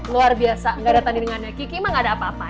luar biasa gak ada tandingannya kiki mah gak ada apa apa